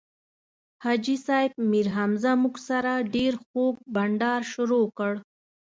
حاجي صیب میرحمزه موږ سره ډېر خوږ بنډار شروع کړ.